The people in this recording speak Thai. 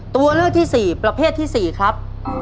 ตัวเลือกที่๔ประเภทที่๔ครับ